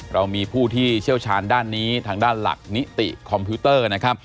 เรามีผู้ที่เชี่ยวชาญด้านนี้ทางด้านหลักนิติคอมพิวเตอร์นะครับ